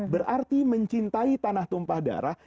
berarti mencintai tanah tumpah darah